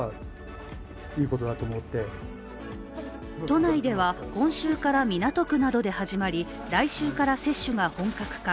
都内では今週から港区などで始まり来週から接種が本格化、